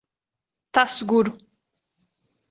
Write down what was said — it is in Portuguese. Tá seguro.